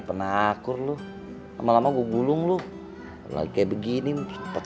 walaupun lo kata kagak mandi tapi gue kangen sama lo